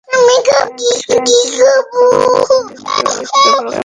বিশেষ করে আইনশৃঙ্খলা রক্ষাকারী বাহিনীর সদস্যদের ওপর আক্রমণটা আরবদের রীতিমতো ভীত করেছে।